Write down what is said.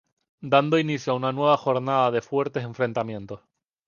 Dando inicio a una nueva jornada de fuertes enfrentamientos.